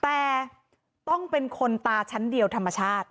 แต่ต้องเป็นคนตาชั้นเดียวธรรมชาติ